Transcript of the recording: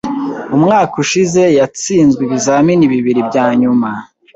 Umwaka ushize, yatsinzwe ibizamini bibiri bya nyuma.